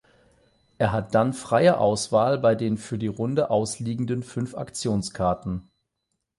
Er hat dann freie Auswahl bei den für die Runde ausliegenden fünf Aktionskarten.